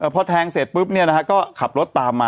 พอแทงเสร็จปุ๊บนี่นะฮะก็ขับรถตามมา